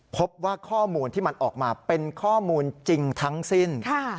พบว่าข้อมูลที่มันออกมาเป็นข้อมูลจริงทั้งสิ้น